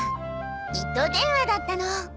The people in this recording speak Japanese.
糸電話だったの。